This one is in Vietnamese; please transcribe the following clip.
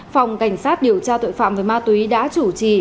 phòng cảnh sát điều tra tội phạm về ma túy đã chủ trì